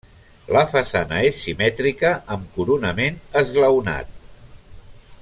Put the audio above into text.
La façana és simètrica, amb coronament esglaonat.